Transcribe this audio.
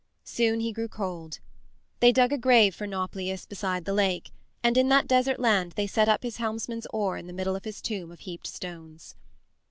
Soon he grew cold. They dug a grave for Nauplius beside the lake, and in that desert land they set up his helmsman's oar in the middle of his tomb of heaped stones.